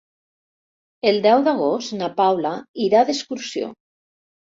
El deu d'agost na Paula irà d'excursió.